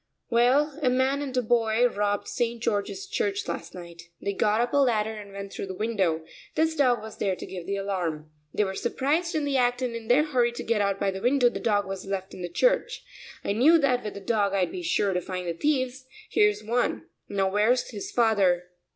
"Well, a man and a boy robbed St. George's Church last night. They got up a ladder and went through the window. This dog was there to give the alarm. They were surprised in the act and in their hurry to get out by the window, the dog was left in the church. I knew that with the dog I'd be sure to find the thieves; here's one, now where's his father?"